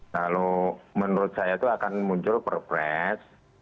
lalu menurut saya itu akan muncul pr press